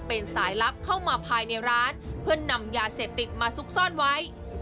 เป็นสายลับเข้ามาภายในร้านเพื่อนำยาเสพติดมาซุกซ่อนไว้